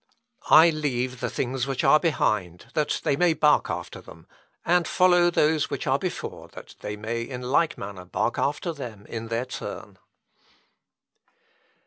I leave the things which are behind, that they may bark after them, and follow those which are before, that they may in like manner bark after them in their turn."